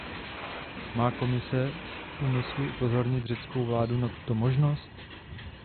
Má Komise v úmyslu upozornit řeckou vládu na tuto možnost?